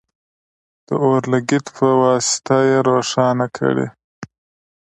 د اور لګیت په واسطه یې روښانه کړئ.